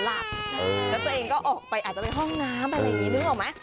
แล้วตัวเองก็ออกไปอาจจะไปห้องน้ำอะไรอย่างนี้นึกออกไหม